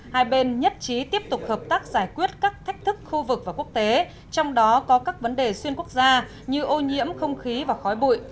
hai bên nhất trí tiếp tục hợp tác giải quyết các thách thức khu vực và quốc tế trong đó có các vấn đề xuyên quốc gia như ô nhiễm không khí và khói bụi